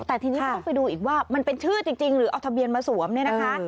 แต่ทีนี้ก็ต้องไปดูอีกว่ามันเป็นชื่อจริงหรือเอาทะเบียนมาสวมเนี่ยนะคะ